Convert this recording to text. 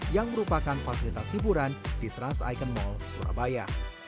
yang merupakan fasilitas hiburan di trans icon mall surabaya